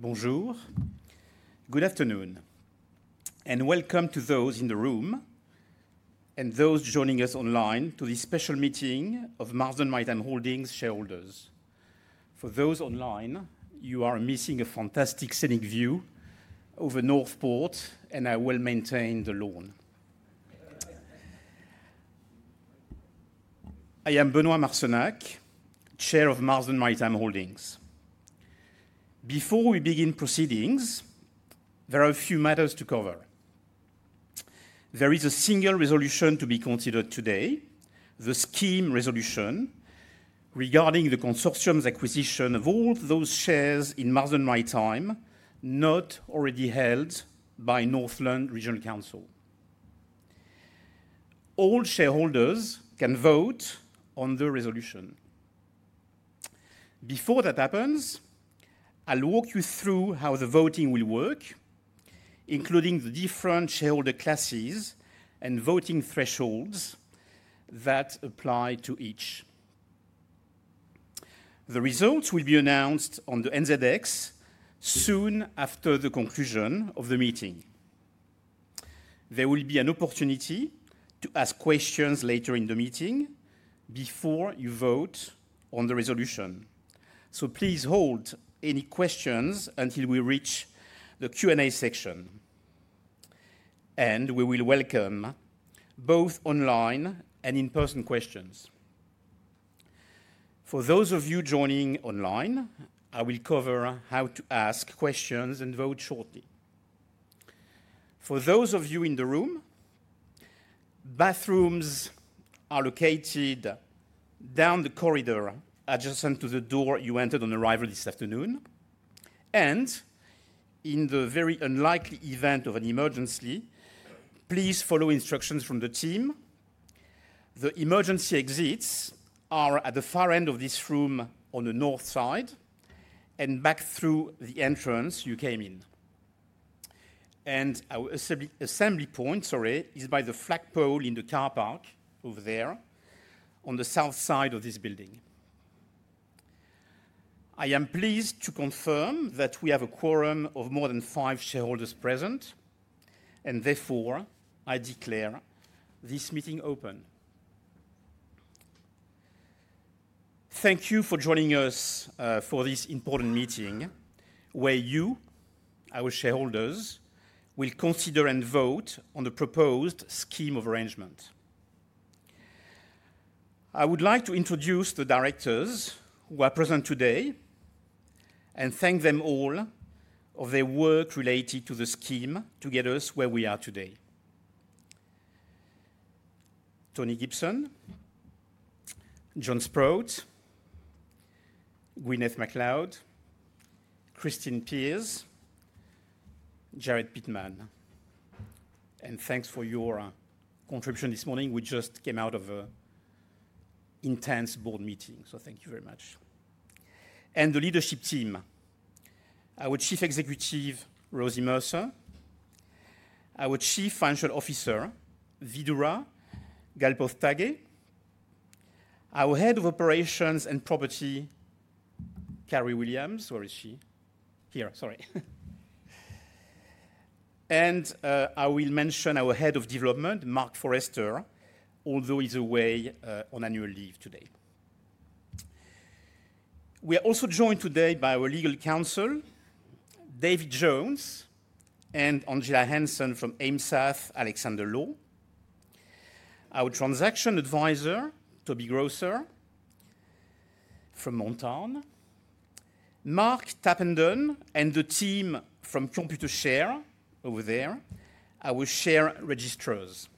Bonjour. Good afternoon, and welcome to those in the room and those joining us online to this special meeting of Marsden Maritime Holdings shareholders. For those online, you are missing a fantastic scenic view of the Northport and a well-maintained lawn. I am Benoît Marcenac, Chair of Marsden Maritime Holdings. Before we begin proceedings, there are a few matters to cover. There is a single resolution to be considered today, the scheme resolution, regarding the consortium's acquisition of all those shares in Marsden Maritime, not already held by Northland Regional Council. All shareholders can vote on the resolution. Before that happens, I'll walk you through how the voting will work, including the different shareholder classes and voting thresholds that apply to each. The results will be announced on the NZX soon after the conclusion of the meeting. There will be an opportunity to ask questions later in the meeting before you vote on the resolution. Please hold any questions until we reach the Q&A section, and we will welcome both online and in-person questions. For those of you joining online, I will cover how to ask questions and vote shortly. For those of you in the room, bathrooms are located down the corridor adjacent to the door you entered on arrival this afternoon. In the very unlikely event of an emergency, please follow instructions from the team. The emergency exits are at the far end of this room on the north side and back through the entrance you came in. Our assembly point, sorry, is by the flagpole in the car park over there on the south side of this building. I am pleased to confirm that we have a quorum of more than five shareholders present, and therefore I declare this meeting open. Thank you for joining us for this important meeting where you, our shareholders, will consider and vote on the proposed scheme of arrangement. I would like to introduce the directors who are present today and thank them all for their work related to the scheme to get us where we are today: Tony Gibson, John Sproul, Gwyneth Macleod, Christine Pears, Jared Pitman. Thanks for your contribution this morning. We just came out of an intense board meeting, so thank you very much. The leadership team: our Chief Executive Rosie Mercer, our Chief Financial Officer Vidura Galpoththage, our Head of Operations and Property Carrie Williams. Where is she? Here, sorry. I will mention our Head of Development, Mark Forrester, although he's away on annual leave today. We are also joined today by our Legal Counsel, David Jones, and Angela Hansen from Heimsath Alexander Law. Our Transaction Advisor, Toby Grosser from Jarden, Mark Tappenden, and the team from Computershare over there, our share registrars.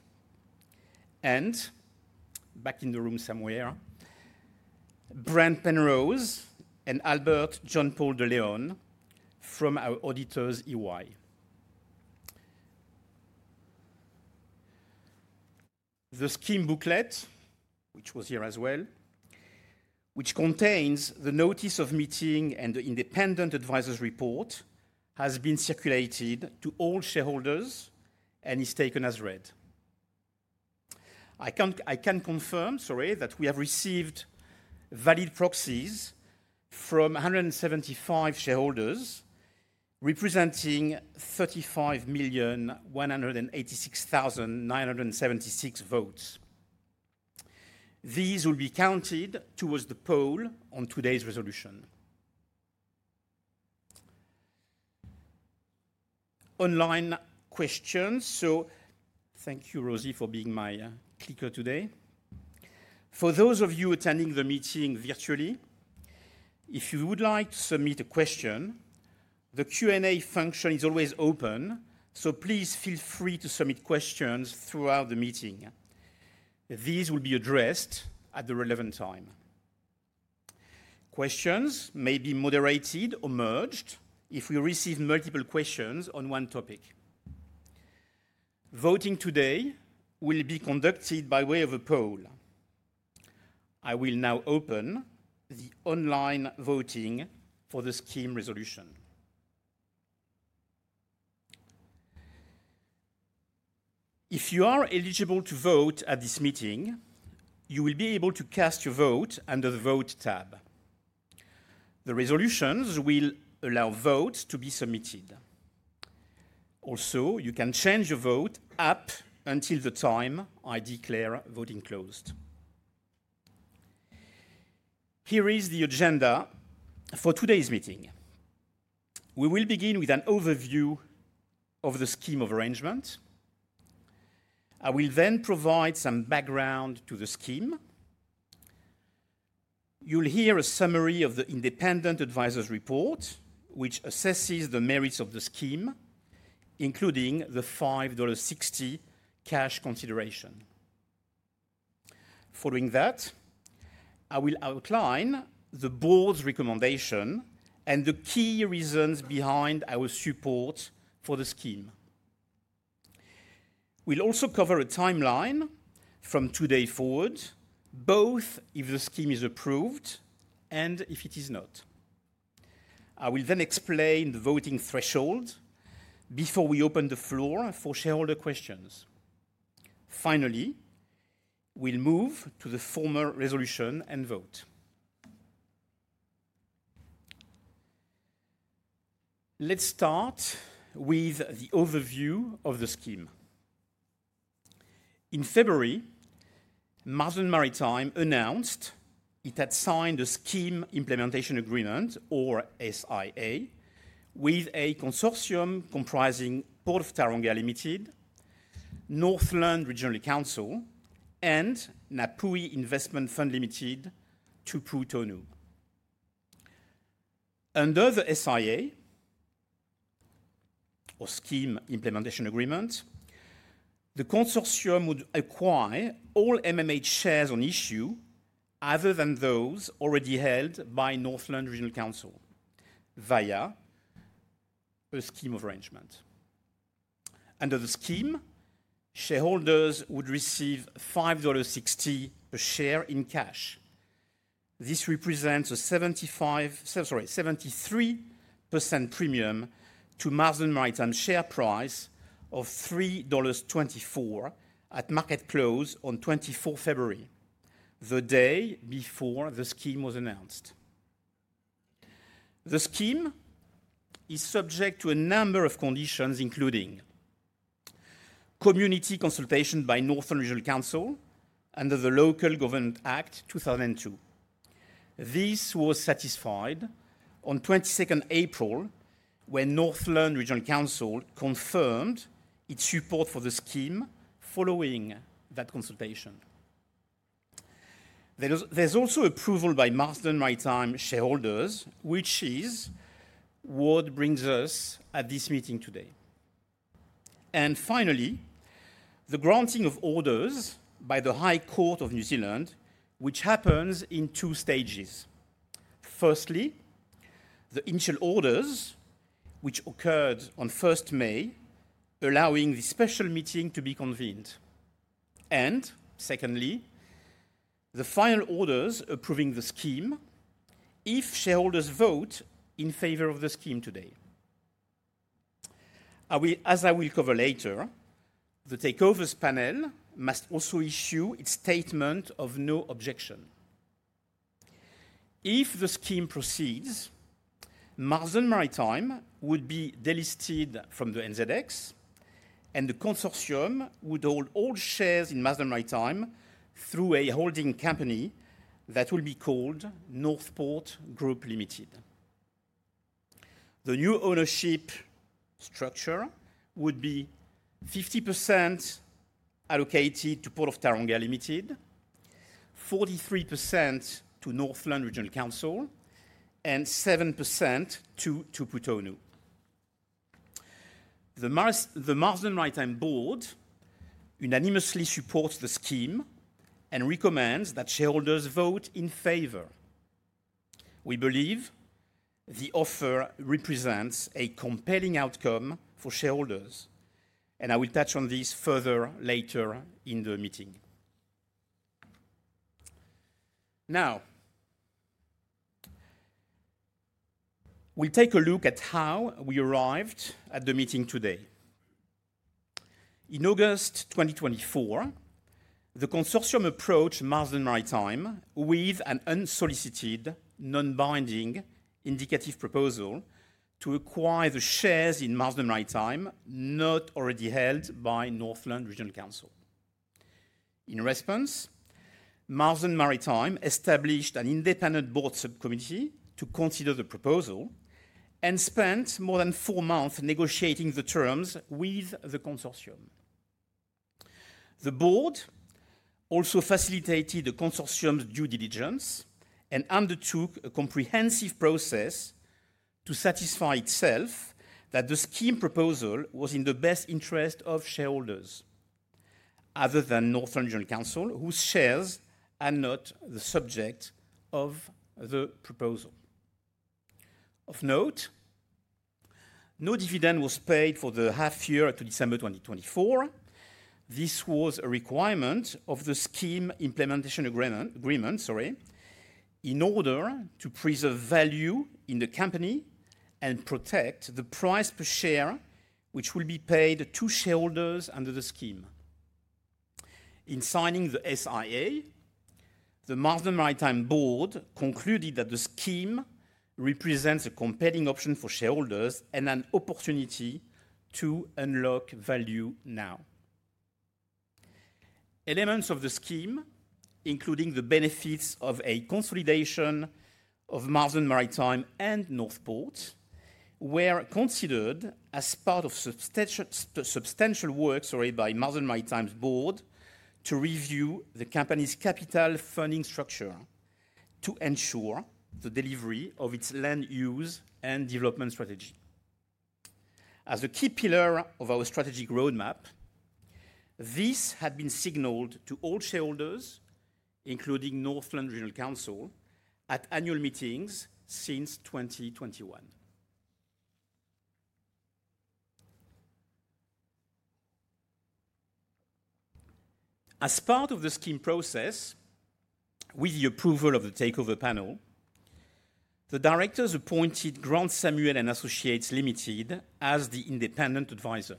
Back in the room somewhere, Brent Penrose and Albert John Paul de Leon from our Auditors EY. The scheme booklet, which was here as well, which contains the notice of meeting and the Independent Advisor's Report, has been circulated to all shareholders and is taken as read. I can confirm, sorry, that we have received valid proxies from 175 shareholders representing 35,186,976 votes. These will be counted towards the poll on today's resolution. Online questions. Thank you, Rosie, for being my clicker today. For those of you attending the meeting virtually, if you would like to submit a question, the Q&A function is always open, so please feel free to submit questions throughout the meeting. These will be addressed at the relevant time. Questions may be moderated or merged if we receive multiple questions on one topic. Voting today will be conducted by way of a poll. I will now open the online voting for the scheme resolution. If you are eligible to vote at this meeting, you will be able to cast your vote under the Vote tab. The resolutions will allow votes to be submitted. Also, you can change your vote up until the time I declare voting closed. Here is the agenda for today's meeting. We will begin with an overview of the scheme of arrangement. I will then provide some background to the scheme. You'll hear a summary of the independent advisor's report, which assesses the merits of the scheme, including the $5.60 cash consideration. Following that, I will outline the board's recommendation and the key reasons behind our support for the scheme. We'll also cover a timeline from today forward, both if the scheme is approved and if it is not. I will then explain the voting threshold before we open the floor for shareholder questions. Finally, we'll move to the formal resolution and vote. Let's start with the overview of the scheme. In February, Marsden Maritime announced it had signed the Scheme Implementation Agreement, or SIA, with a consortium comprising Port of Tauranga Limited, Northland Regional Council, and Ngāpuhi Investment Fund Limited, Tupu Tonu. Under the SIA, or Scheme Implementation Agreement, the consortium would acquire all MMH shares on issue other than those already held by Northland Regional Council via a scheme of arrangement. Under the scheme, shareholders would receive $5.60 per share in cash. This represents a 73% premium to Marsden Maritime's share price of $3.24 at market close on 24 February, the day before the scheme was announced. The scheme is subject to a number of conditions, including community consultation by Northland Regional Council under the Local Government Act 2002. This was satisfied on 22 April when Northland Regional Council confirmed its support for the scheme following that consultation. There is also approval by Marsden Maritime shareholders, which is what brings us at this meeting today. Finally, the granting of orders by the High Court of New Zealand, which happens in two stages. Firstly, the initial orders, which occurred on 1 May, allowing the special meeting to be convened. Secondly, the final orders approving the scheme if shareholders vote in favor of the scheme today. As I will cover later, the Takeovers Panel must also issue its statement of no objection. If the scheme proceeds, Marsden Maritime would be delisted from the NZX, and the consortium would hold all shares in Marsden Maritime through a holding company that will be called Northport Group Limited. The new ownership structure would be 50% allocated to Port of Tauranga Limited, 43% to Northland Regional Council, and 7% to Tupu Tonu. The Marsden Maritime Board unanimously supports the scheme and recommends that shareholders vote in favor. We believe the offer represents a compelling outcome for shareholders, and I will touch on this further later in the meeting. Now, we'll take a look at how we arrived at the meeting today. In August 2024, the consortium approached Marsden Maritime with an unsolicited, non-binding indicative proposal to acquire the shares in Marsden Maritime not already held by Northland Regional Council. In response, Marsden Maritime established an independent board subcommittee to consider the proposal and spent more than four months negotiating the terms with the consortium. The board also facilitated the consortium's due diligence and undertook a comprehensive process to satisfy itself that the scheme proposal was in the best interest of shareholders other than Northland Regional Council, whose shares are not the subject of the proposal. Of note, no dividend was paid for the half year to December 2024. This was a requirement of the Scheme Implementation Agreement, sorry, in order to preserve value in the company and protect the price per share, which will be paid to shareholders under the scheme. In signing the SIA, the Marsden Maritime Board concluded that the scheme represents a compelling option for shareholders and an opportunity to unlock value now. Elements of the scheme, including the benefits of a consolidation of Marsden Maritime and Northport, were considered as part of substantial works by Marsden Maritime's board to review the company's capital funding structure to ensure the delivery of its land use and development strategy. As a key pillar of our strategic roadmap, this had been signaled to all shareholders, including Northland Regional Council, at annual meetings since 2021. As part of the scheme process, with the approval of the Takeovers Panel, the Directors appointed Grant Samuel and Associates Limited as the independent advisor.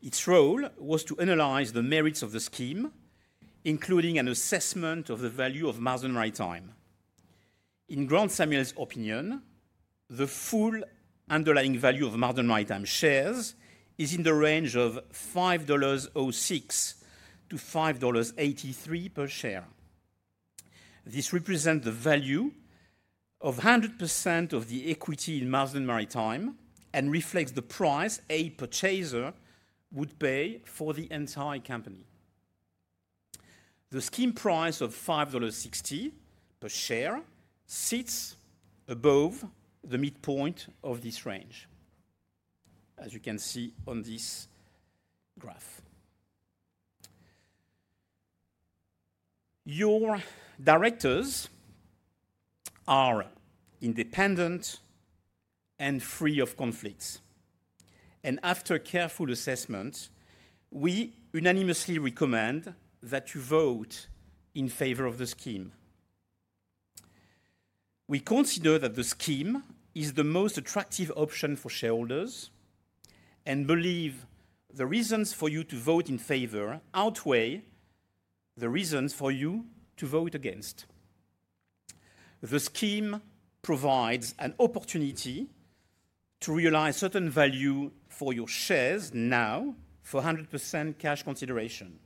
Its role was to analyze the merits of the scheme, including an assessment of the value of Marsden Maritime. In Grant Samuel's opinion, the full underlying value of Marsden Maritime shares is in the range of $5.06-$5.83 per share. This represents the value of 100% of the equity in Marsden Maritime and reflects the price a purchaser would pay for the entire company. The price scheme of $5.60 per share sits above the midpoint of this range, as you can see on this graph. Your directors are independent and free of conflicts. After careful assessment, we unanimously recommend that you vote in favor of the scheme. We consider that the scheme is the most attractive option for shareholders and believe the reasons for you to vote in favor outweigh the reasons for you to vote against. The scheme provides an opportunity to realize certain value for your shares now for 100% cash consideration.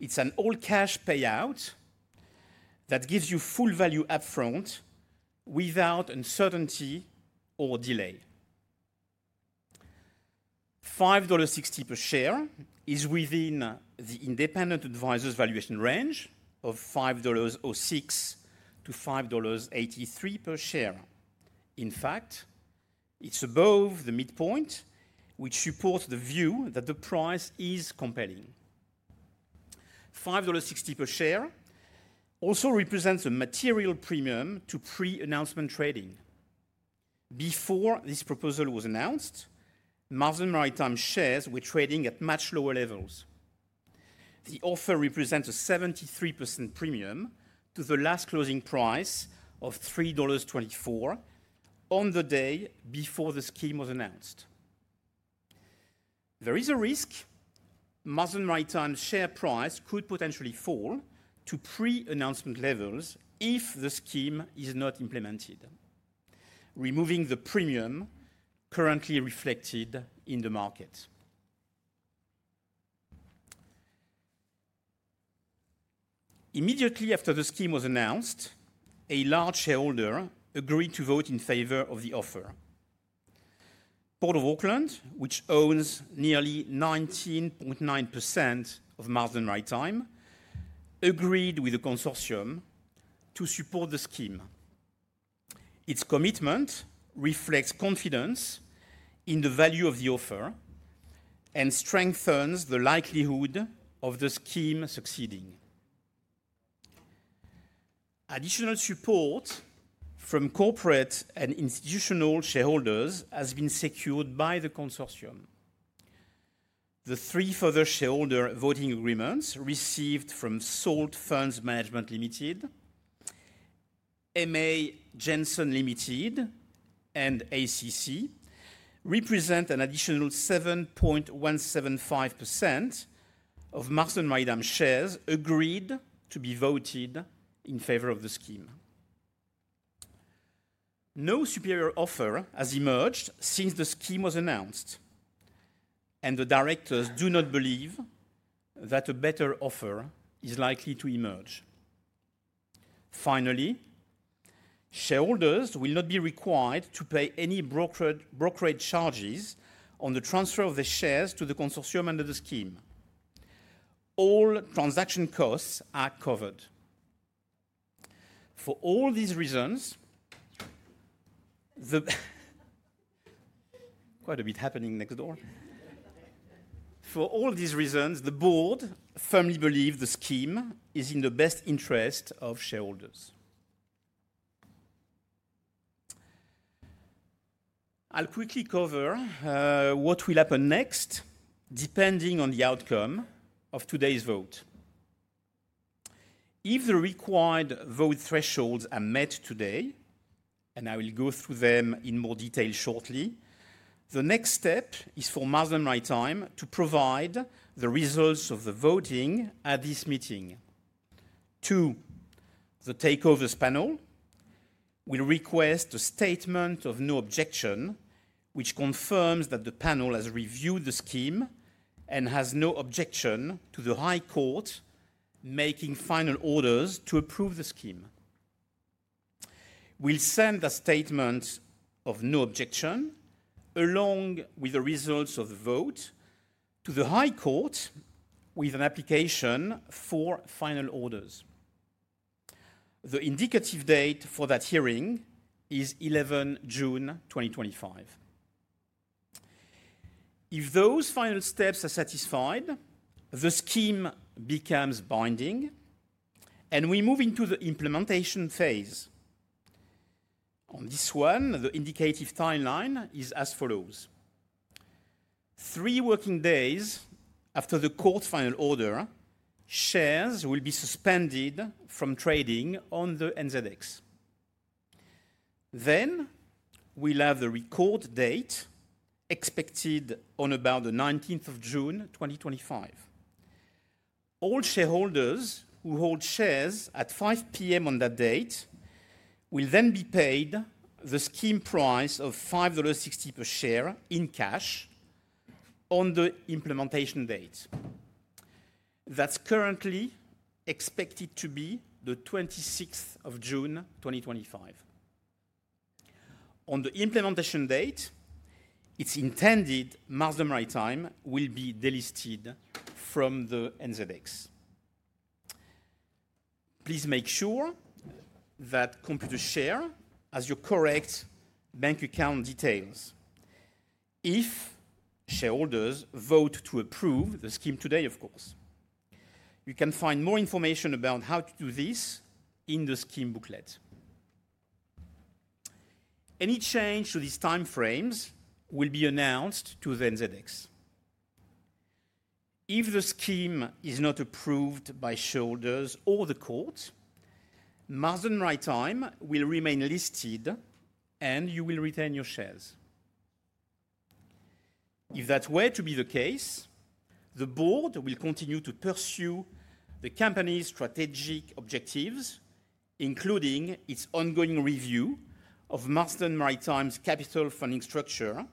It's an all-cash payout that gives you full value upfront without uncertainty or delay. $5.60 per share is within the independent advisor's valuation range of $5.0-$5.83 per share. In fact, it's above the midpoint, which supports the view that the price is compelling. $5.60 per share also represents a material premium to pre-announcement trading. Before this proposal was announced, Marsden Maritime shares were trading at much lower levels. The offer represents a 73% premium to the last closing price of $3.24 on the day before the scheme was announced. There is a risk Marsden Maritime's share price could potentially fall to pre-announcement levels if the scheme is not implemented, removing the premium currently reflected in the market. Immediately after the scheme was announced, a large shareholder agreed to vote in favor of the offer. Port of Auckland, which owns nearly 19.9% of Marsden Maritime, agreed with the consortium to support the scheme. Its commitment reflects confidence in the value of the offer and strengthens the likelihood of the scheme succeeding. Additional support from corporate and institutional shareholders has been secured by the consortium. The three further shareholder voting agreements received from Salt Funds Management Limited, M.A. Jensen Limited, and ACC represent an additional 7.175% of Marsden Maritime shares agreed to be voted in favor of the scheme. No superior offer has emerged since the scheme was announced, and the directors do not believe that a better offer is likely to emerge. Finally, shareholders will not be required to pay any brokerage charges on the transfer of the shares to the consortium under the scheme. All transaction costs are covered. For all these reasons, the board firmly believes the scheme is in the best interest of shareholders. I'll quickly cover what will happen next depending on the outcome of today's vote. If the required vote thresholds are met today, and I will go through them in more detail shortly, the next step is for Marsden Maritime to provide the results of the voting at this meeting. Two, the Takeovers Panel will request a statement of no objection, which confirms that the panel has reviewed the scheme and has no objection to the High Court making final orders to approve the scheme. We'll send the statement of no objection along with the results of the vote to the High Court with an application for final orders. The indicative date for that hearing is 11 June 2025. If those final steps are satisfied, the scheme becomes binding, and we move into the implementation phase. On this one, the indicative timeline is as follows. Three working days after the court final order, shares will be suspended from trading on the NZX. We will have the record date expected on about the 19th of June 2025. All shareholders who hold shares at 5:00 P.M. On that date will then be paid the scheme price of $5.60 per share in cash on the implementation date. That's currently expected to be the 26th of June 2025. On the implementation date, it's intended Marsden Maritime will be delisted from the NZX. Please make sure that you compute the share as your correct bank account details if shareholders vote to approve the scheme today, of course. You can find more information about how to do this in the scheme booklet. Any change to these time frames will be announced to the NZX. If the scheme is not approved by shareholders or the court, Marsden Maritime will remain listed, and you will retain your shares. If that were to be the case, the board will continue to pursue the company's strategic objectives, including its ongoing review of Marsden Maritime's capital funding structure,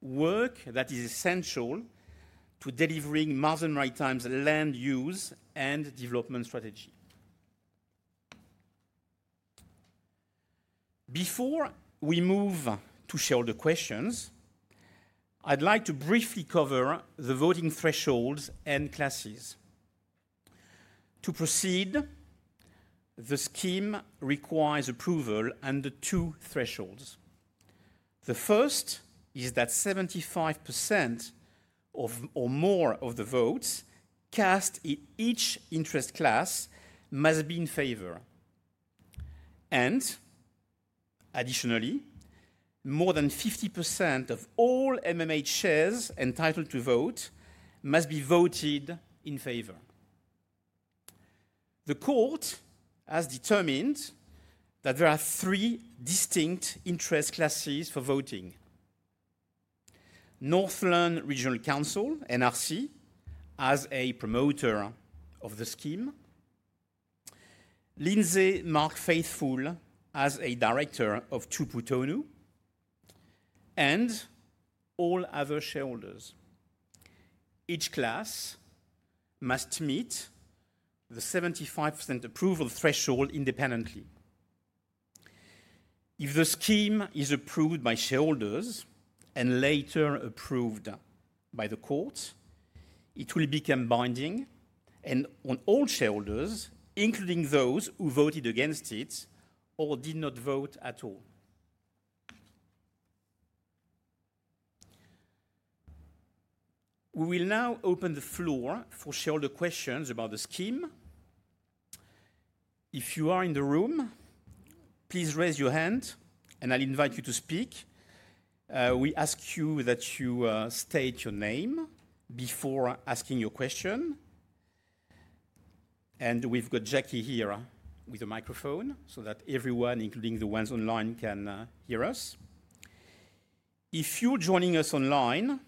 work that is essential to delivering Marsden Maritime's land use and development strategy. Before we move to shareholder questions, I'd like to briefly cover the voting thresholds and classes. To proceed, the scheme requires approval under two thresholds. The first is that 75% or more of the votes cast in each interest class must be in favor. Additionally, more than 50% of all MMH shares entitled to vote must be voted in favor. The court has determined that there are three distinct interest classes for voting: Northland Regional Council, NRC, as a promoter of the scheme; Lindsay Mark Faithfull, as a director of Tupu Tonu; and all other shareholders. Each class must meet the 75% approval threshold independently. If the scheme is approved by shareholders and later approved by the court, it will become binding on all shareholders, including those who voted against it or did not vote at all. We will now open the floor for shareholder questions about the scheme. If you are in the room, please raise your hand, and I'll invite you to speak. We ask that you state your name before asking your question. We have Jackie here with a microphone so that everyone, including the ones online, can hear us. If you're joining us online,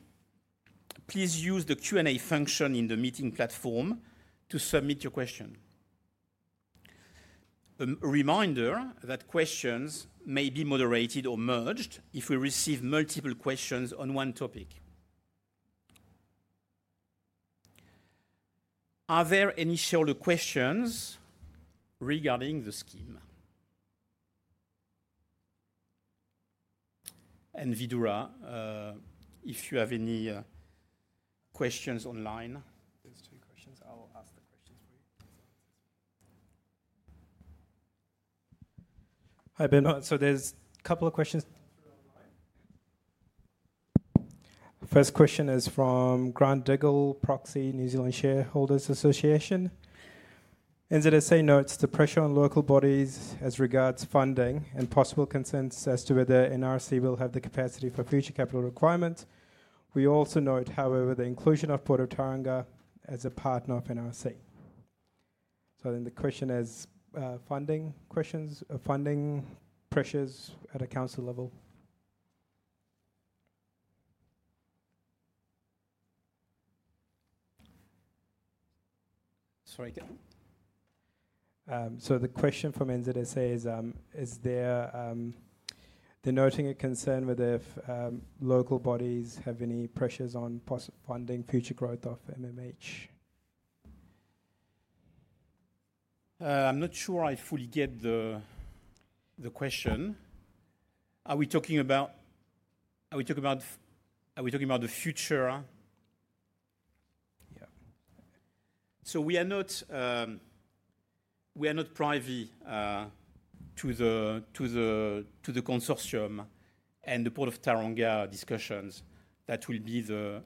please use the Q&A function in the meeting platform to submit your question. A reminder that questions may be moderated or merged if we receive multiple questions on one topic. Are there any shareholder questions regarding the scheme? Vidura, if you have any questions online. There are two questions. I'll ask the questions for you. Hi, Bernard. There's a couple of questions through online. First question is from Grant Diggle, Proxy New Zealand Shareholders Association. NZSA notes the pressure on local bodies as regards funding and possible concerns as to whether NRC will have the capacity for future capital requirements. We also note, however, the inclusion of Port of Tauranga as a partner of NRC. The question is funding questions or funding pressures at a council level. Sorry. The question from NZSA is, is there the noting a concern whether local bodies have any pressures on funding future growth of MMH? I'm not sure I fully get the question. Are we talking about the future? Yeah. We are not private to the consortium and the Port of Tauranga discussions. That will be the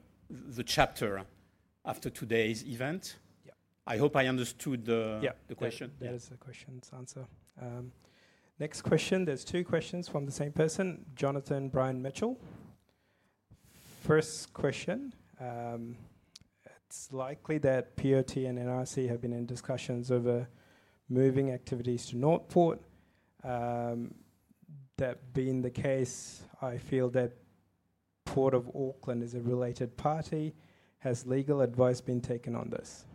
chapter after today's event. I hope I understood the question. Yeah, that's the question's answer. Next question. There are two questions from the same person, Jonathan Brian Mitchell. First question. It's likely that POT and NRC have been in discussions over moving activities to Northport. That being the case, I feel that Port of Auckland as a related party has legal advice been taken on this.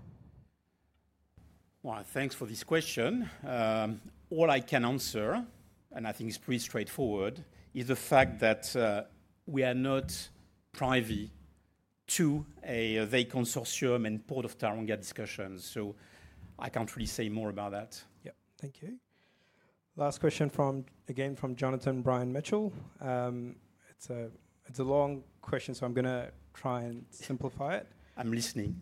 Thank you for this question. All I can answer, and I think it's pretty straightforward, is the fact that we are not privy to a consortium and Port of Tauranga discussions. I can't really say more about that. Thank you. Last question from, again, from Jonathan Brian Mitchell. It's a long question, so I'm going to try and simplify it. I'm listening.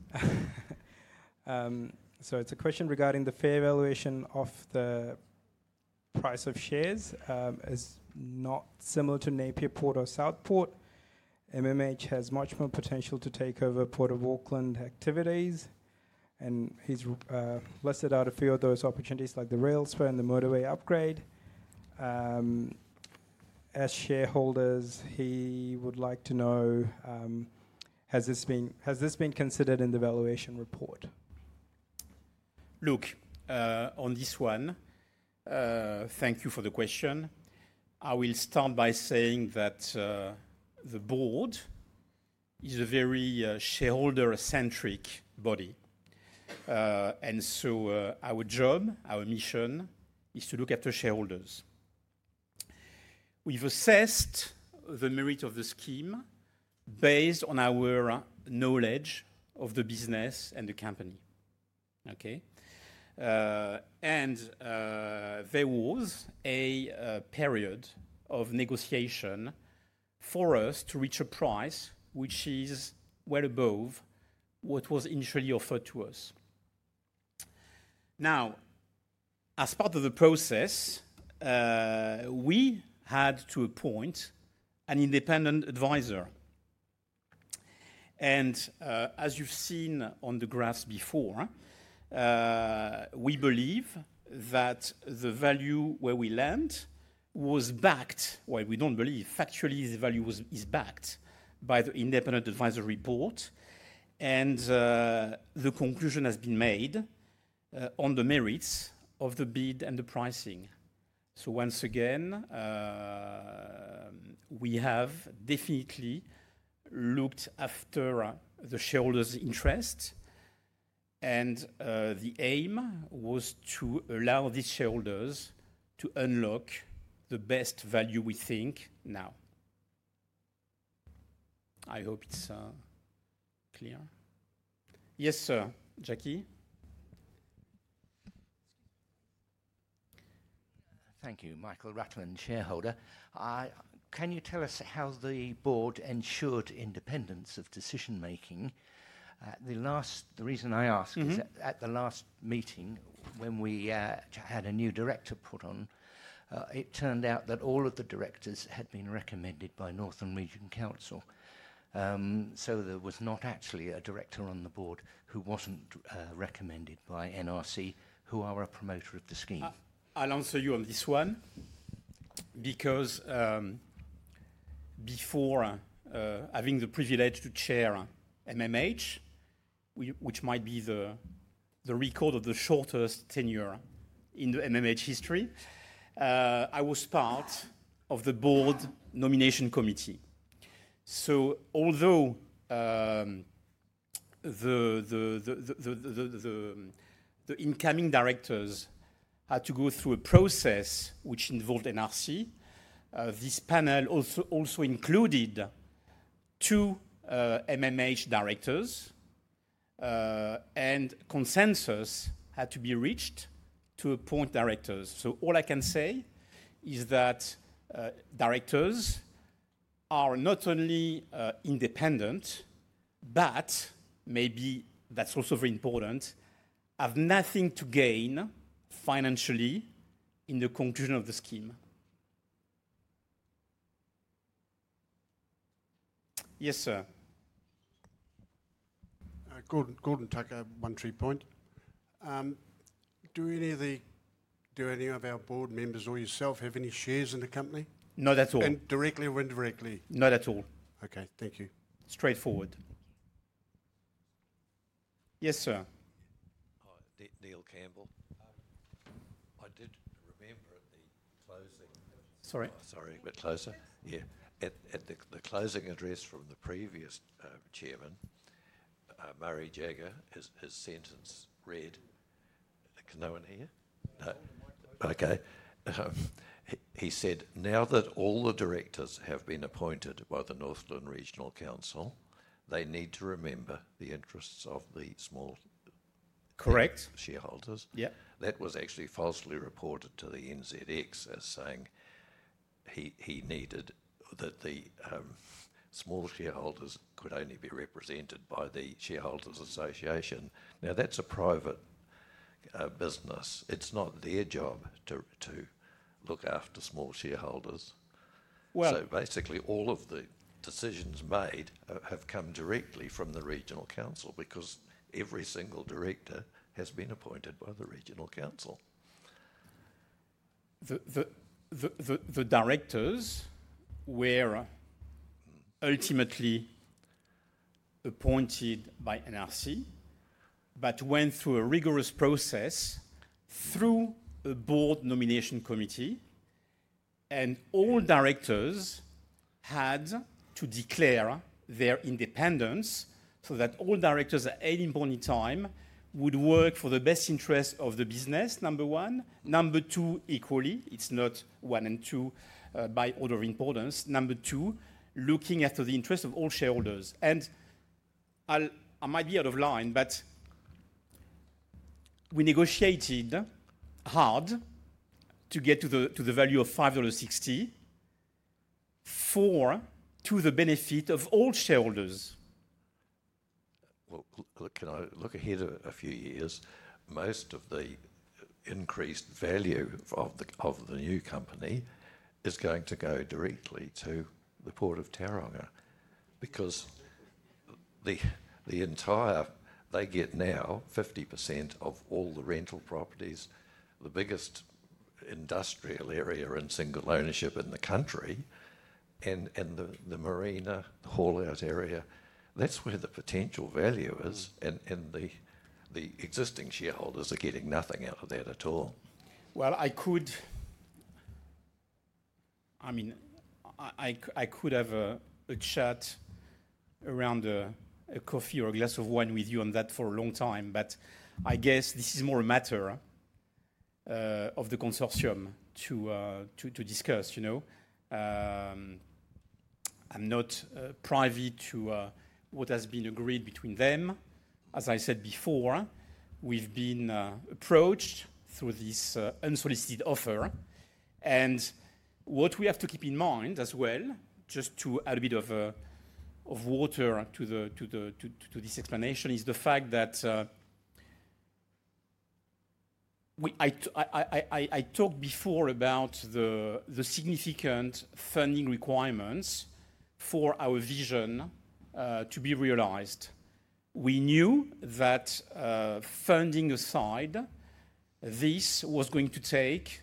It's a question regarding the fair valuation of the price of shares. It's not similar to Napier Port or Southport. MMH has much more potential to take over Port of Auckland activities. He's listed out a few of those opportunities like the rail spur and the motorway upgrade. As shareholders, he would like to know, has this been considered in the valuation report? Look, on this one, thank you for the question. I will start by saying that the board is a very shareholder-centric body. Our job, our mission, is to look after shareholders. We've assessed the merit of the scheme based on our knowledge of the business and the company. There was a period of negotiation for us to reach a price which is well above what was initially offered to us. As part of the process, we had to appoint an independent advisor. As you have seen on the graphs before, we believe that the value where we land was backed, well, we do not believe, factually the value is backed by the independent advisory board. The conclusion has been made on the merits of the bid and the pricing. Once again, we have definitely looked after the shareholders' interest. The aim was to allow these shareholders to unlock the best value we think now. I hope it is clear. Yes, Jackie? Thank you. Michael Rutland, shareholder. Can you tell us how the board ensured independence of decision-making? The reason I ask is at the last meeting when we had a new director put on, it turned out that all of the directors had been recommended by Northland Regional Council. There was not actually a director on the board who was not recommended by NRC who are a promoter of the scheme. I'll answer you on this one because before having the privilege to chair MMH, which might be the record of the shortest tenure in the MMH history, I was part of the board nomination committee. Although the incoming directors had to go through a process which involved NRC, this panel also included two MMH directors, and consensus had to be reached to appoint directors. All I can say is that directors are not only independent, but maybe that's also very important, have nothing to gain financially in the conclusion of the scheme. Yes, sir. [Gordon], take a one-two point. Do any of the do any of our board members or yourself have any shares in the company? Not at all. And directly or indirectly? Not at all. Okay. Thank you. Straightforward. Yes, sir. Neil Campbell. I did remember the closing. Sorry. Sorry. A bit closer. Yeah. At the closing address from the previous chairman, Murray Jagger, his sentence read, can no one hear? No. Okay. He said, "Now that all the directors have been appointed by the Northland Regional Council, they need to remember the interests of the small shareholders." Correct. Yeah. That was actually falsely reported to the NZX as saying he needed that the small shareholders could only be represented by the shareholders association. Now, that's a private business. It's not their job to look after small shareholders. Basically, all of the decisions made have come directly from the regional council because every single director has been appointed by the regional council. The directors were ultimately appointed by NRC, but went through a rigorous process through a board nomination committee. All directors had to declare their independence so that all directors at any point in time would work for the best interest of the business, number one. Number two, equally. It's not one and two by order of importance. Number two, looking after the interest of all shareholders. I might be out of line, but we negotiated hard to get to the value of $5.60 for the benefit of all shareholders. Look, can I look ahead a few years? Most of the increased value of the new company is going to go directly to the Port of Tauranga because they get now 50% of all the rental properties, the biggest industrial area in single ownership in the country, and the marina, the whole out area. That's where the potential value is. The existing shareholders are getting nothing out of that at all. I could, I mean, I could have a chat around a coffee or a glass of wine with you on that for a long time. I guess this is more a matter of the consortium to discuss. I'm not privy to what has been agreed between them. As I said before, we've been approached through this unsolicited offer. What we have to keep in mind as well, just to add a bit of water to this explanation, is the fact that I talked before about the significant funding requirements for our vision to be realized. We knew that funding aside, this was going to take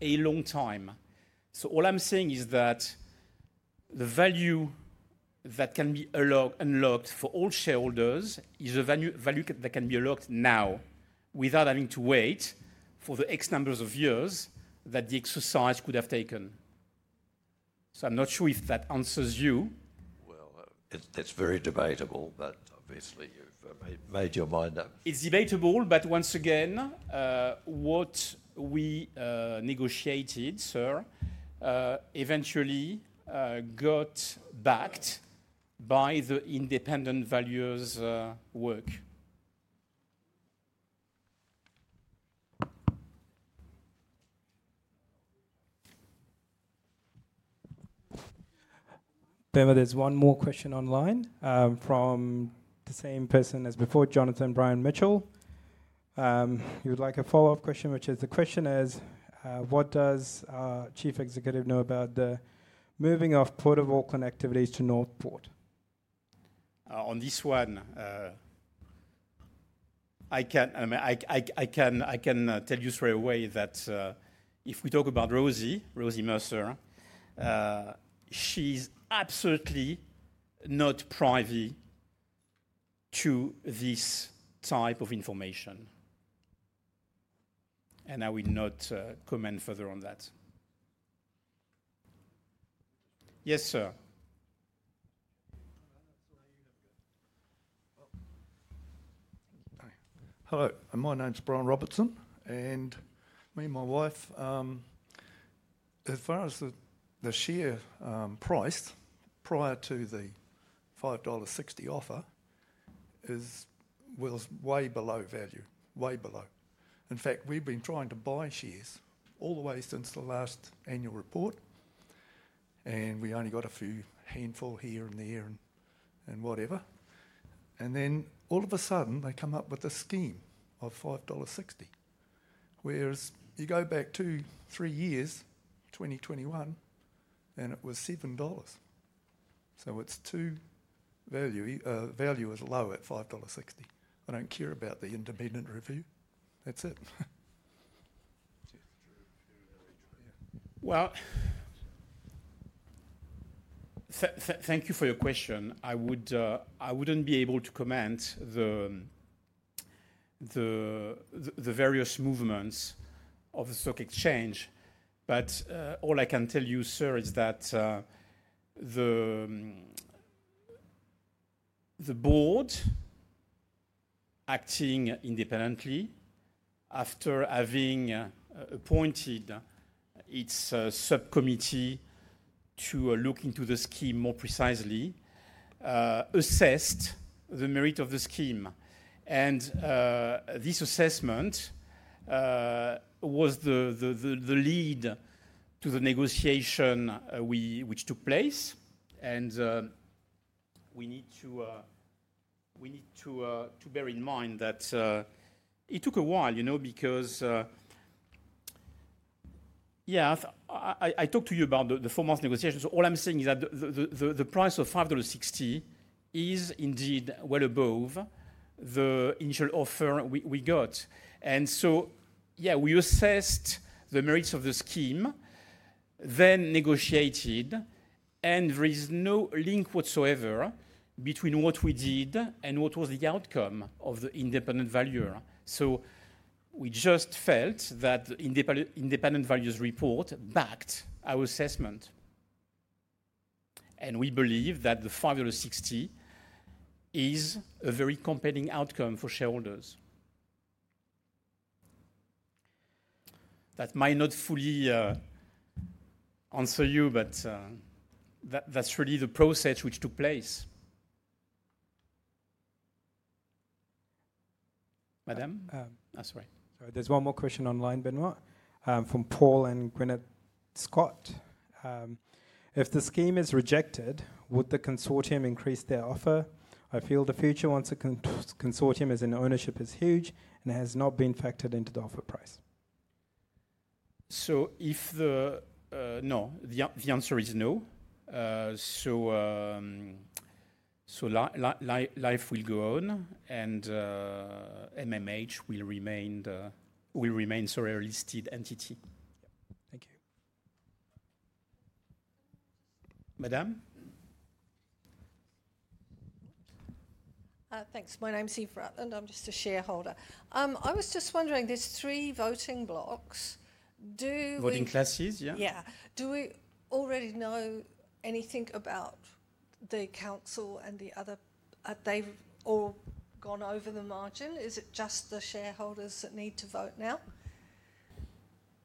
a long time. All I'm saying is that the value that can be unlocked for all shareholders is a value that can be unlocked now without having to wait for the X number of years that the exercise could have taken. I'm not sure if that answers you. That's very debatable, but obviously, you've made your mind up. It's debatable, but once again, what we negotiated, sir, eventually got backed by the independent values work. There's one more question online from the same person as before, Jonathan Brian Mitchell. He would like a follow-up question, which is the question is, what does our Chief Executive know about the moving of Port of Auckland activities to Northport? On this one, I can tell you straight away that if we talk about Rosie, Rosie Mercer, she's absolutely not private to this type of information. I will not comment further on that. Yes, sir. Hello. My name's Brian Robertson, and me and my wife, as far as the share price prior to the $5.60 offer, was way below value, way below. In fact, we've been trying to buy shares all the way since the last annual report. We only got a few handful here and there and whatever. All of a sudden, they come up with a scheme of $5.60, whereas you go back two, three years, 2021, and it was 7 dollars. Its value is low at $5.60. I don't care about the independent review. That's it. Thank you for your question. I wouldn't be able to comment on the various movements of the stock exchange. All I can tell you, sir, is that the board acting independently after having appointed its subcommittee to look into the scheme more precisely assessed the merit of the scheme. This assessment was the lead to the negotiation which took place. We need to bear in mind that it took a while because, yeah, I talked to you about the four-month negotiations. All I'm saying is that the price of $5.60 is indeed well above the initial offer we got. Yeah, we assessed the merits of the scheme, then negotiated, and there is no link whatsoever between what we did and what was the outcome of the independent valuer. We just felt that the independent valuer's report backed our assessment. We believe that the $5.60 is a very compelling outcome for shareholders. That might not fully answer you, but that's really the process which took place. Madam? Sorry. There's one more question online, Benoit, from Paul and Gwyneth Scott. If the scheme is rejected, would the consortium increase their offer? I feel the future once a consortium is in ownership is huge and has not been factored into the offer price. If the no, the answer is no. Life will go on and MMH will remain a solely listed entity. Thank you. Madam? Thanks. My name's Eve Rutland. I'm just a shareholder. I was just wondering, there's three voting blocks. Do we voting classes, yeah? Yeah. Do we already know anything about the council and the other? Have they all gone over the margin? Is it just the shareholders that need to vote now?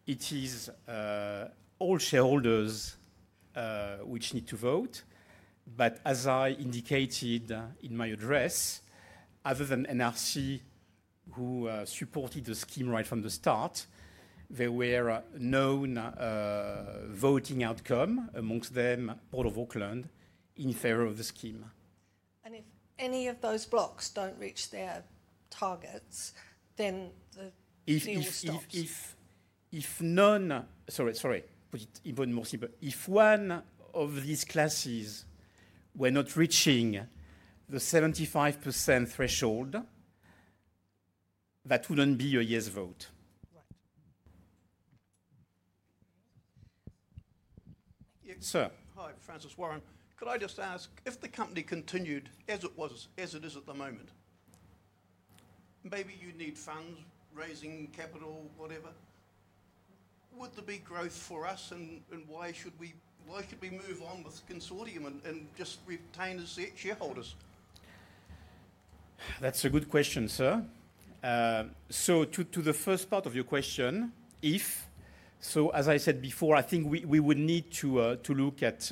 It is all shareholders which need to vote. As I indicated in my address, other than NRC, who supported the scheme right from the start, there were known voting outcomes amongst them, Port of Auckland, in favor of the scheme. If any of those blocks do not reach their targets, then if none—sorry, sorry. To put it even more simply, if one of these classes were not reaching the 75% threshold, that would not be a yes vote. Right. Thank you. Sir? Hi, Francis Warren. Could I just ask, if the company continued as it is at the moment, maybe you need funds, raising capital, whatever, would there be growth for us? And why should we move on with consortium and just retain the shareholders? That is a good question, sir. To the first part of your question, if, as I said before, I think we would need to look at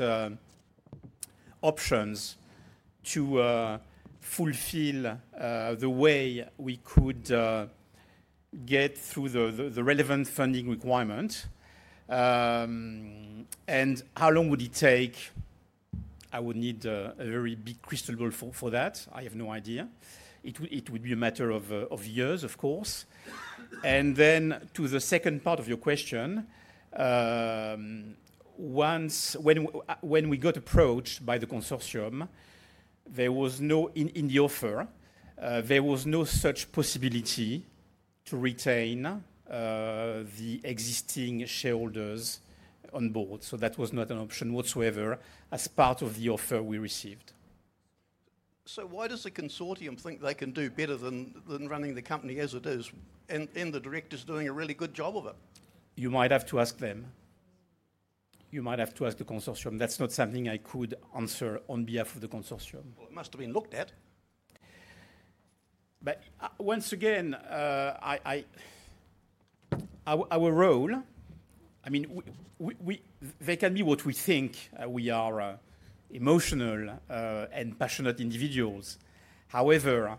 options to fulfill the way we could get through the relevant funding requirements. How long would it take? I would need a very big crystal ball for that. I have no idea. It would be a matter of years, of course. To the second part of your question, when we got approached by the consortium, in the offer, there was no such possibility to retain the existing shareholders on board. That was not an option whatsoever as part of the offer we received. Why does the consortium think they can do better than running the company as it is, and the directors doing a really good job of it? You might have to ask them. You might have to ask the consortium. That is not something I could answer on behalf of the consortium. It must have been looked at. Once again, our role, I mean, there can be what we think. We are emotional and passionate individuals. However,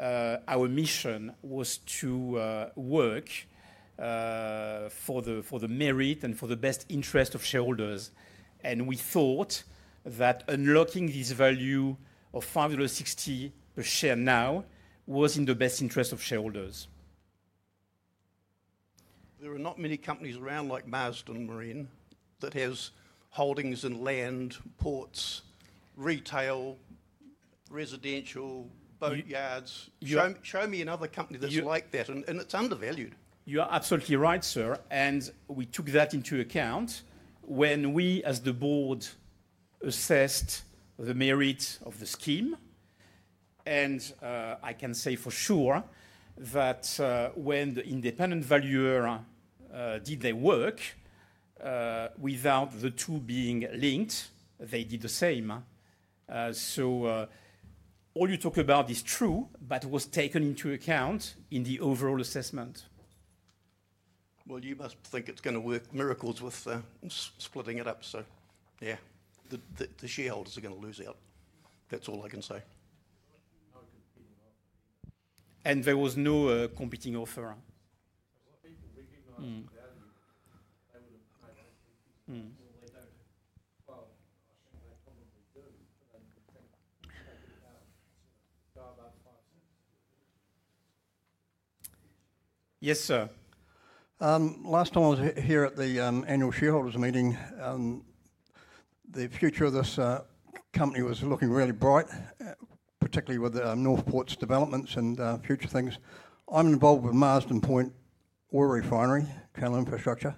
our mission was to work for the merit and for the best interest of shareholders. We thought that unlocking this value of $5.60 per share now was in the best interest of shareholders. There are not many companies around like Marsden Maritime that has holdings in land, ports, retail, residential, boatyards. Show me another company that's like that. And it's undervalued. You are absolutely right, sir. We took that into account when we, as the board, assessed the merit of the scheme. I can say for sure that when the independent valuer did their work, without the two being linked, they did the same. All you talk about is true, but was taken into account in the overall assessment. You must think it's going to work miracles with splitting it up, sir. The shareholders are going to lose out. That's all I can say. No competing offer. There was no competing offer. What people recognize the value, they would have paid 80% or they don't. I think they probably do, but they would think about $5.60. Yes, sir. Last time I was here at the annual shareholders meeting, the future of this company was looking really bright, particularly with Northport's developments and future things. I'm involved with Marsden Point Oil Refinery, Canal Infrastructure.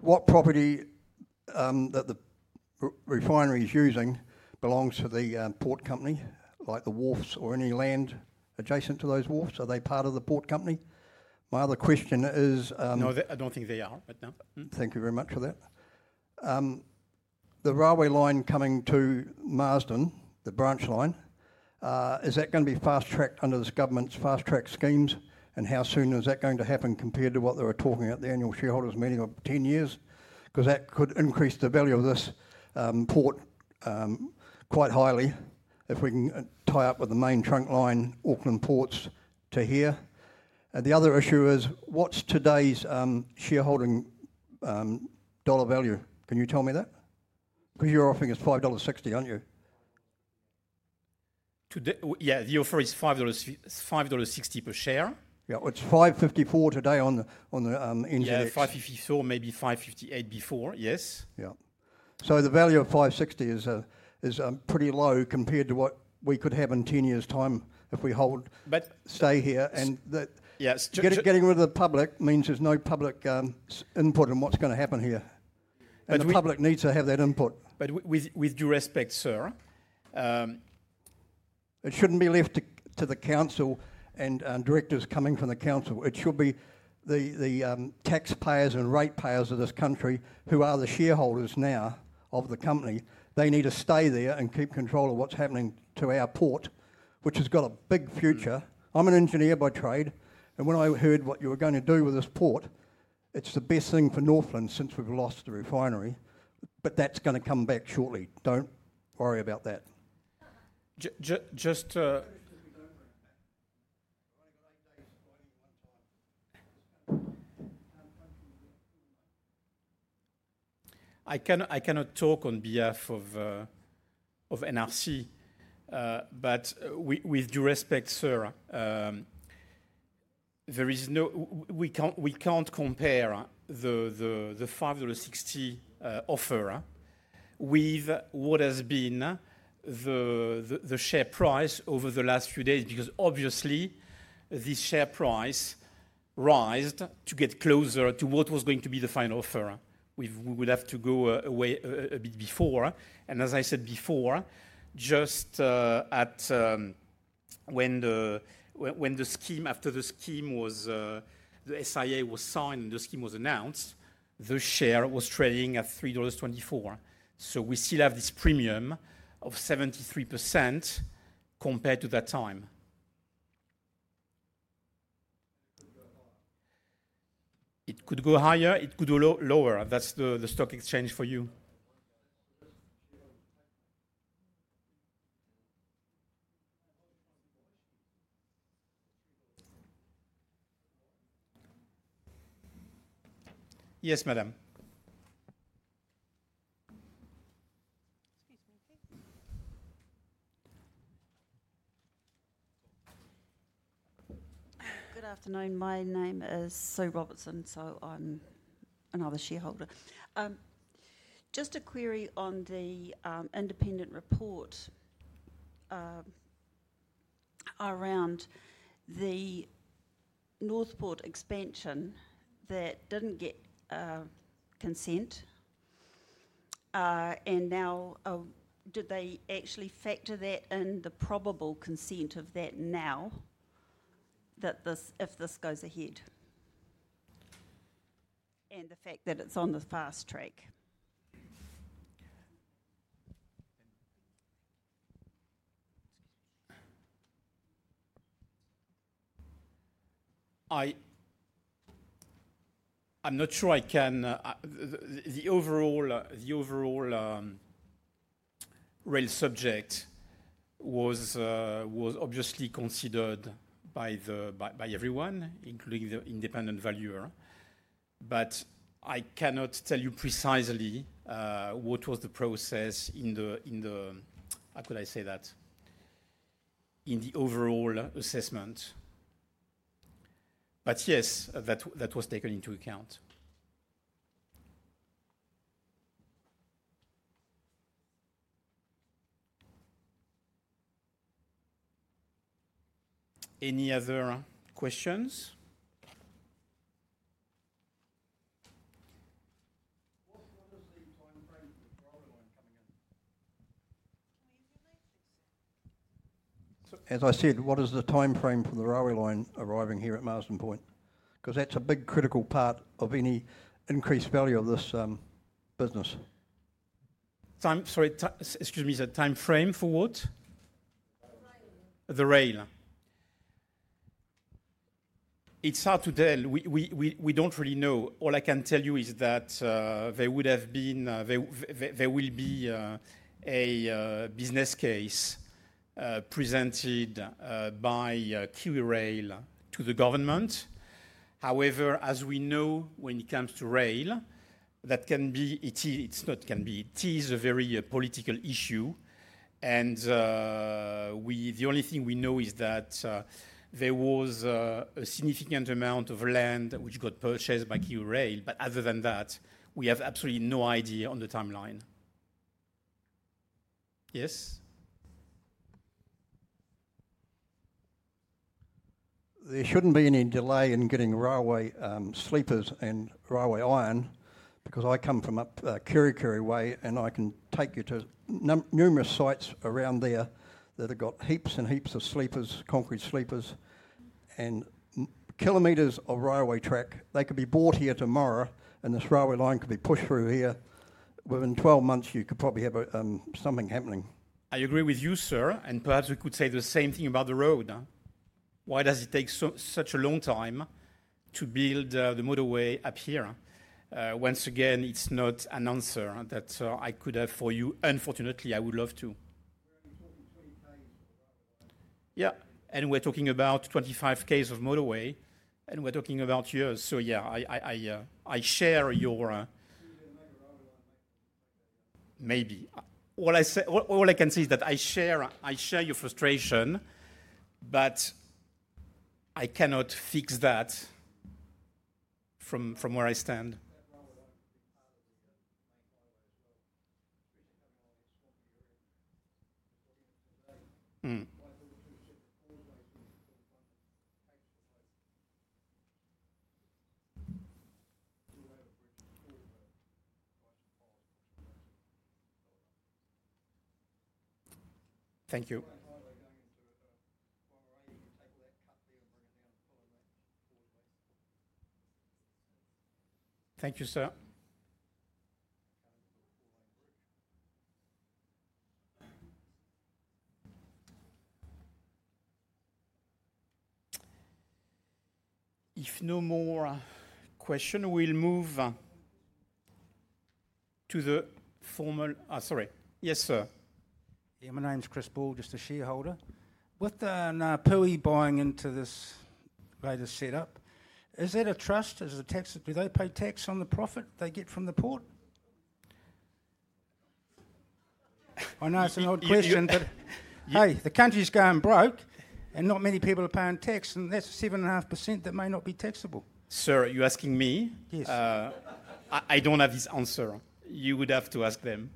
What property that the refinery is using belongs to the port company, like the wharfs or any land adjacent to those wharfs? Are they part of the port company? My other question is no, I don't think they are right now. Thank you very much for that. The railway line coming to Marsden, the branch line, is that going to be fast-tracked under this government's fast-track schemes? How soon is that going to happen compared to what they were talking at the annual shareholders meeting of 10 years? That could increase the value of this port quite highly if we can tie up with the main trunk line, Auckland Ports to here. The other issue is what's today's shareholding dollar value? Can you tell me that? Your offering is $5.60, aren't you? Yeah, the offer is $5.60 per share. Yeah, it's $5.54 today on the NZX. Yeah, $5.54, maybe $5.58 before, yes. Yeah. The value of $5.60 is pretty low compared to what we could have in 10 years' time if we hold, stay here. Getting rid of the public means there's no public input on what's going to happen here. The public needs to have that input. With due respect, sir. It shouldn't be left to the council and directors coming from the council. It should be the taxpayers and ratepayers of this country who are the shareholders now of the company. They need to stay there and keep control of what's happening to our port, which has got a big future. I'm an engineer by trade. When I heard what you were going to do with this port, it's the best thing for Northland since we've lost the refinery. That is going to come back shortly. Don't worry about that. I cannot talk on behalf of NRC, but with due respect, sir, we can't compare the $5.60 offer with what has been the share price over the last few days because obviously this share price rose to get closer to what was going to be the final offer. We would have to go a bit before. As I said before, just when the scheme, after the scheme was, the SIA was signed and the scheme was announced, the share was trading at $3.24. We still have this premium of 73% compared to that time.It could go higher. It could go lower. That's the stock exchange for you. Yes, madam. Excuse me, please. Good afternoon. My name is Sue Robertson, so I'm another shareholder. Just a query on the independent report around the Northport expansion that didn't get consent. Now, did they actually factor in the probable consent of that now, if this goes ahead? And the fact that it's on the fast track. I'm not sure I can. The overall real subject was obviously considered by everyone, including the independent valuer. I cannot tell you precisely what was the process in the, how could I say that, in the overall assessment. Yes, that was taken into account. Any other questions? What's the timeframe for the railway line coming in? Can we use your matrix? As I said, what is the timeframe for the railway line arriving here at Marsden Point? Because that's a big critical part of any increased value of this business. Sorry, excuse me, is that timeframe for what? The rail. The rail. It's hard to tell. We don't really know. All I can tell you is that there would have been, there will be a business case presented by KiwiRail to the government. However, as we know, when it comes to rail, that is a very political issue. The only thing we know is that there was a significant amount of land which got purchased by KiwiRail. Other than that, we have absolutely no idea on the timeline. Yes? There should not be any delay in getting railway sleepers and railway iron because I come from up Keri Keri Way and I can take you to numerous sites around there that have got heaps and heaps of sleepers, concrete sleepers, and kilometers of railway track. They could be brought here tomorrow and this railway line could be pushed through here. Within 12 months, you could probably have something happening. I agree with you, sir. Perhaps we could say the same thing about the road. Why does it take such a long time to build the motorway up here? Once again, it is not an answer that I could have for you. Unfortunately, I would love to. We're talking 20 km of railway line. Yeah. And we're talking about 25 km of motorway. And we're talking about years. Yeah, I share your maybe. All I can say is that I share your frustration, but I cannot fix that from where I stand. That railway line could be part of the main highway as well. It's recently come along. It's swapping area. It's looking at delays. 142 shipped to Causeway soon to fill the funding for the Hagsden Road. To do a rail bridge to Causeway, right to the past, which is right to Portland. Thank you. Highway going into a railing and take all that cut there and bring it down and pull it back forward west. Thank you, sir. If no more question, we'll move to the formal sorry. Yes, sir. Yeah, my name's Chris Ball, just a shareholder. With the Ngāpuhi buying into this latest setup, is that a trust? Do they pay tax on the profit they get from the port? I know it's an odd question, but hey, the country's going broke and not many people are paying tax. And that's 7.5% that may not be taxable. Sir, are you asking me? Yes. I don't have his answer. You would have to ask them.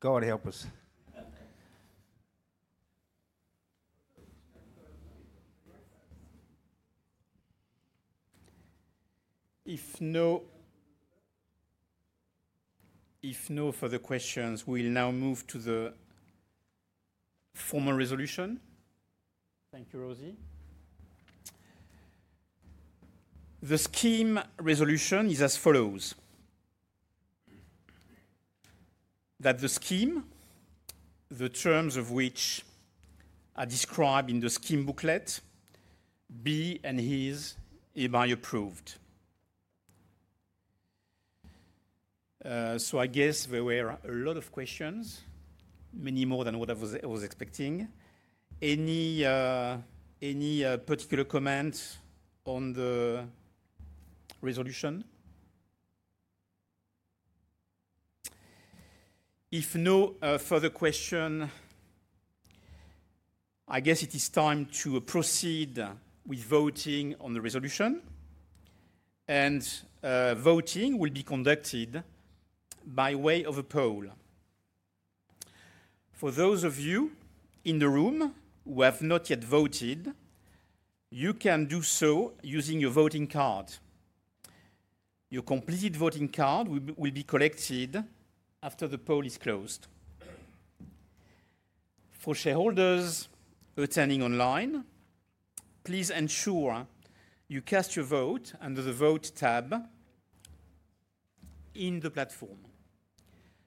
God help us. If no further questions, we'll now move to the formal resolution. Thank you, Rosie. The scheme resolution is as follows. That the scheme, the terms of which are described in the scheme booklet, be and is either approved. I guess there were a lot of questions, many more than what I was expecting. Any particular comments on the resolution? If no further question, I guess it is time to proceed with voting on the resolution. Voting will be conducted by way of a poll. For those of you in the room who have not yet voted, you can do so using your voting card. Your completed voting card will be collected after the poll is closed. For shareholders attending online, please ensure you cast your vote under the vote tab in the platform.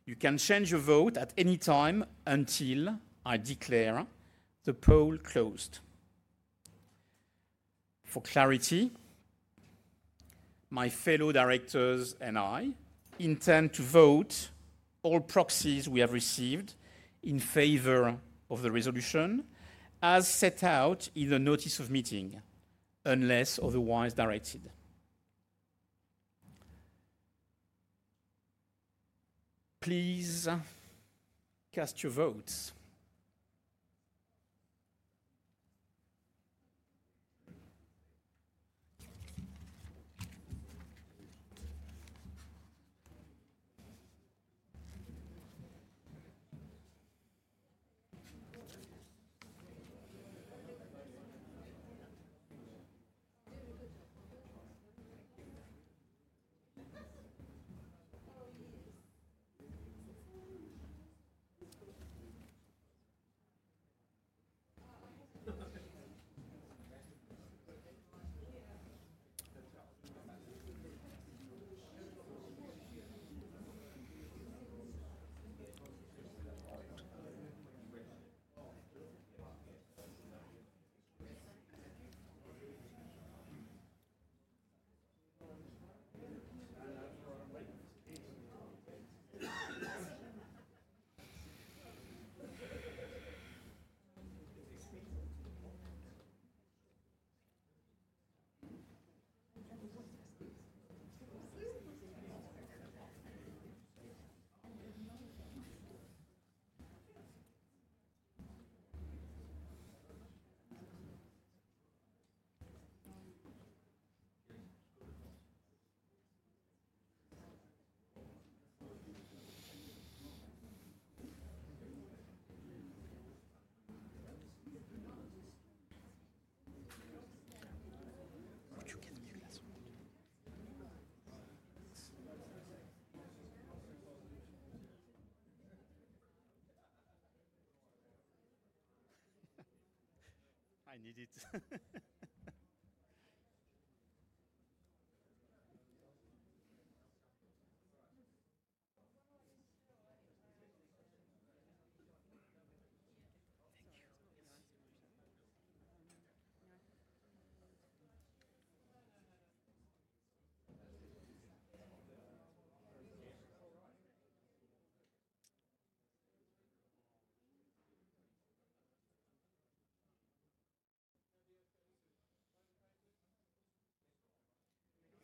You can change your vote at any time until I declare the poll closed. For clarity, my fellow directors and I intend to vote all proxies we have received in favor of the resolution as set out in the notice of meeting, unless otherwise directed. Please cast your votes. Would you get me a glass of water? I need it.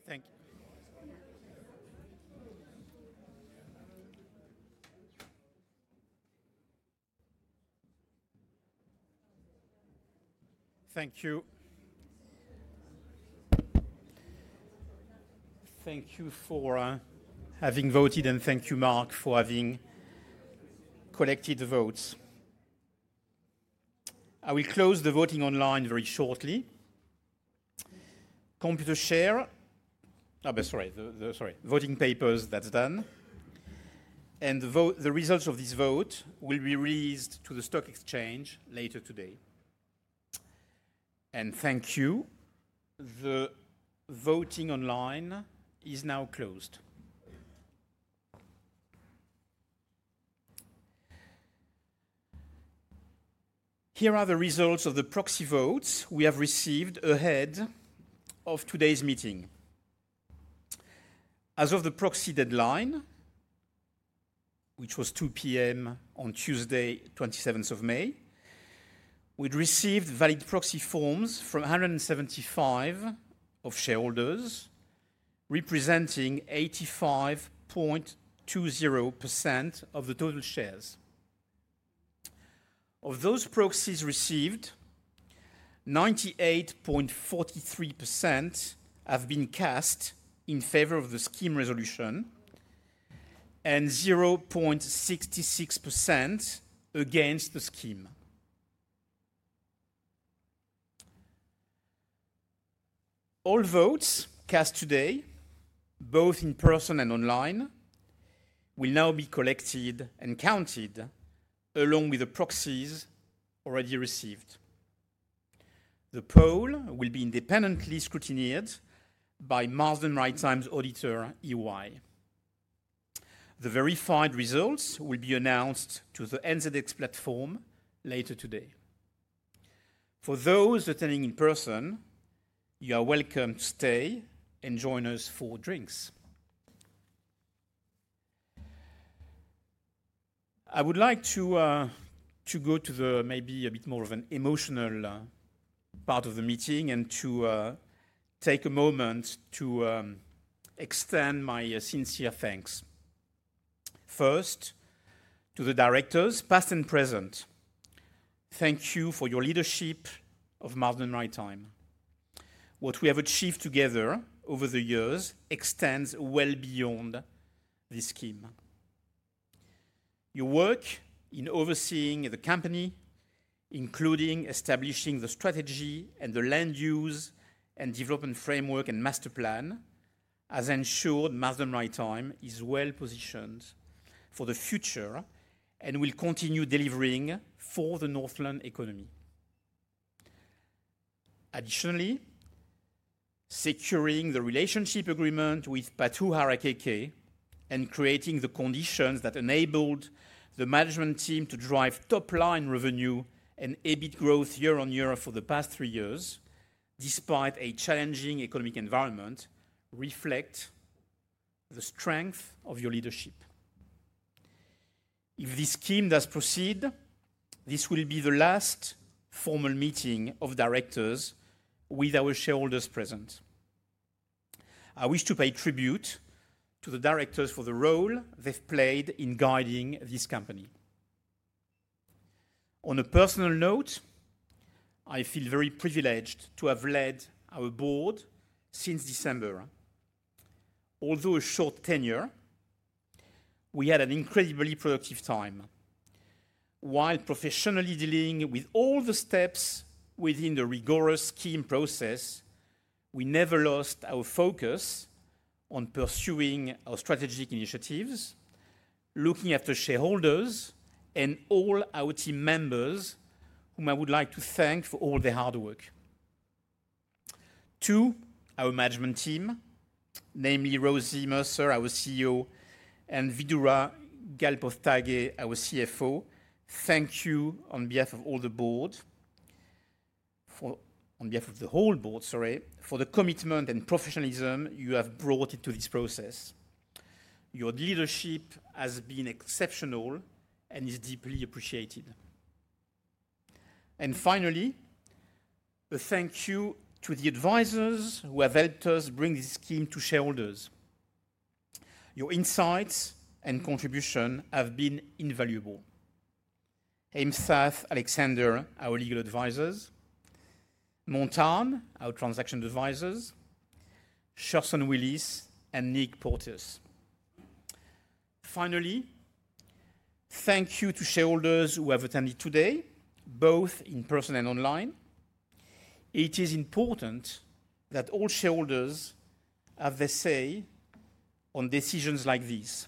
Thank you. Thank you. Thank you for having voted and thank you, Mark, for having collected the votes. I will close the voting online very shortly. Computershare. Sorry, voting papers, that's done. The results of this vote will be released to the stock exchange later today. Thank you. The voting online is now closed. Here are the results of the proxy votes we have received ahead of today's meeting. As of the proxy deadline, which was 2:00 P.M. on Tuesday, 27th of May, we had received valid proxy forms from 175 shareholders representing 85.20% of the total shares. Of those proxies received, 98.43% have been cast in favor of the scheme resolution and 0.66% against the scheme. All votes cast today, both in person and online, will now be collected and counted along with the proxies already received. The poll will be independently scrutineered by Marsden Maritime Holdings auditor EY. The verified results will be announced to the NZX platform later today. For those attending in person, you are welcome to stay and join us for drinks. I would like to go to maybe a bit more of an emotional part of the meeting and to take a moment to extend my sincere thanks. First, to the directors, past and present, thank you for your leadership of Marsden Maritime Holdings. What we have achieved together over the years extends well beyond the scheme. Your work in overseeing the company, including establishing the strategy and the land use and development framework and master plan, has ensured Marsden Maritime Holdings is well positioned for the future and will continue delivering for the Northland economy. Additionally, securing the relationship agreement with Patuharakeke and creating the conditions that enabled the management team to drive top-line revenue and EBIT growth year on year for the past three years, despite a challenging economic environment, reflects the strength of your leadership. If this scheme does proceed, this will be the last formal meeting of directors with our shareholders present. I wish to pay tribute to the directors for the role they've played in guiding this company. On a personal note, I feel very privileged to have led our board since December. Although a short tenure, we had an incredibly productive time. While professionally dealing with all the steps within the rigorous scheme process, we never lost our focus on pursuing our strategic initiatives, looking after shareholders, and all our team members whom I would like to thank for all their hard work. To our management team, namely Rosie Mercer, our CEO, and Vidura Galpoththage, our CFO, thank you on behalf of the whole board for the commitment and professionalism you have brought into this process. Your leadership has been exceptional and is deeply appreciated. Finally, a thank you to the advisors who have helped us bring this scheme to shareholders. Your insights and contribution have been invaluable. Heimsath Alexander, our legal advisors, Montarne, our transaction advisors, Sherson Willis, and Nick Porter. Finally, thank you to shareholders who have attended today, both in person and online. It is important that all shareholders have their say on decisions like this.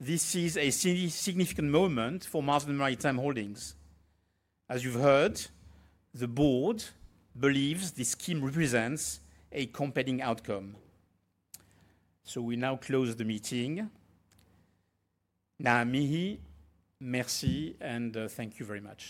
This is a significant moment for Marsden Maritime Holdings. As you've heard, the board believes the scheme represents a compelling outcome. We now close the meeting. Naamihi, merci, and thank you very much.